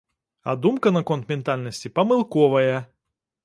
А думка наконт ментальнасці памылковая!